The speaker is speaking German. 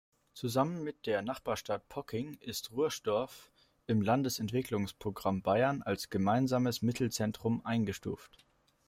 Zusammen mit der Nachbarstadt Pocking ist Ruhstorf im Landesentwicklungsprogramm Bayern als gemeinsames Mittelzentrum eingestuft.